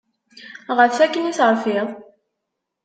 Ɣef akken i terfiḍ?